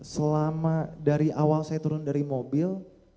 selama dari awal saya turun dari mobil